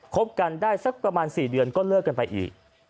คบกันได้สักประมาณ๔เดือนก็เลิกกันไปอีก